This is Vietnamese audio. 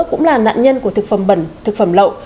cũng là nạn nhân của thực phẩm bẩn thực phẩm lậu